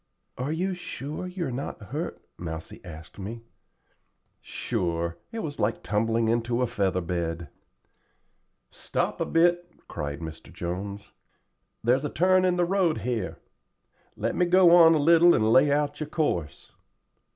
"Are you sure you are not hurt?" Mousie asked me. "Sure; it was like tumbling into a feather bed." "Stop a bit," cried Mr. Jones. "There's a turn in the road here. Let me go on a little and lay out your course."